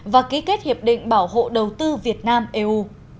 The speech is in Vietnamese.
và ký kết hiệp định bảo hộ đầu tư việt nam eu